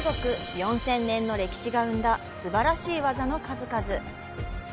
４０００年の歴史が生んだすばらしい技の数々。